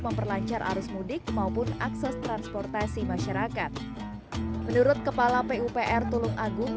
memperlancar arus mudik maupun akses transportasi masyarakat menurut kepala pupr tulung agung